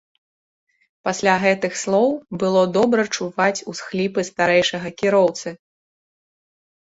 Пасля гэтых слоў было добра чуваць усхліпы старэйшага кіроўцы.